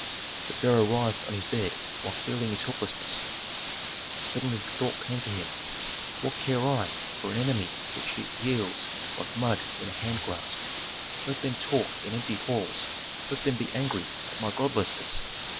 The pharaoh writhed on his bed while feeling his helplessness. Suddenly the thought came to him: "What care I for an enemy which yields like mud in a hand grasp? Let them talk in empty halls, let them be angry at my godlessness.